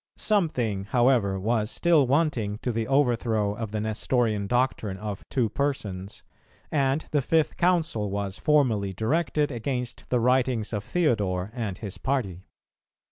Something however was still wanting to the overthrow of the Nestorian doctrine of Two Persons, and the Fifth Council was formally directed against the writings of Theodore and his party.